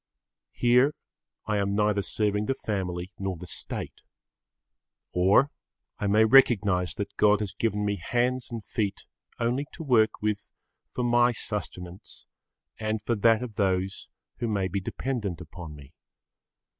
Here I am neither serving the family nor the State. Or I may recognise that God has given me hands and feet only to work with for my sustenance and for that of those who may be dependent upon me.